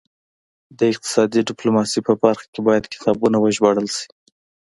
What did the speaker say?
د اقتصادي ډیپلوماسي په برخه کې باید کتابونه وژباړل شي